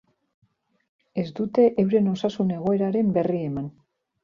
Ez dute euren osasun egoeraren berri eman.